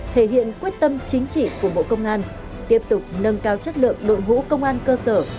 thể hiện quyết tâm chính trị của bộ công an tiếp tục nâng cao chất lượng đội ngũ công an cơ sở